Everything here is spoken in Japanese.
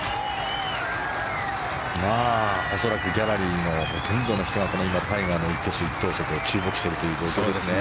恐らくギャラリーもほとんどの人が今、タイガーの一挙手一投足に注目しているという状況ですね。